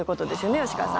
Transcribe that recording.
吉川さん。